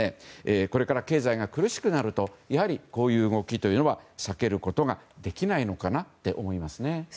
これから経済が苦しくなるとやはり、こういう動きというのは避けることができないのかなと思いますね。